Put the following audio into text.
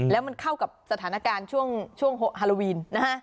แล้วมันเข้ากับสถานการณ์ช่วงฮาโลวีน